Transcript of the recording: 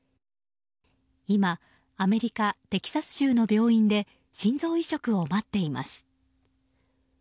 今、アメリカ・テキサス州の病院で、心臓移植を待っています。